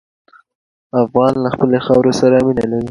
افغان له خپلې خاورې سره مینه لري.